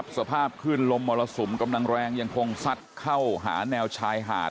สภาพขึ้นลมมรสุมกำลังแรงยังคงซัดเข้าหาแนวชายหาด